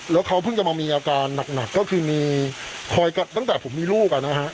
แล้วเขาเพิ่งจะมามีอาการหนักก็คือมีคอยตั้งแต่ผมมีลูกนะฮะ